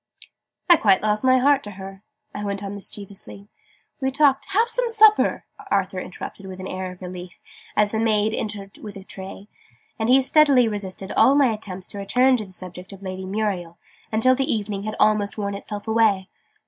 "I quite lost my heart to her!" I went on mischievously. "We talked " "Have some supper!" Arthur interrupted with an air of relief, as the maid entered with the tray. And he steadily resisted all my attempts to return to the subject of Lady Muriel until the evening had almost worn itself away.